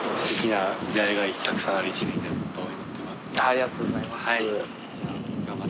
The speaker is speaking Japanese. ありがとうございます。